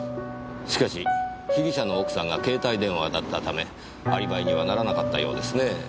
しかし被疑者の奥さんが携帯電話だったためアリバイにはならなかったようですねぇ。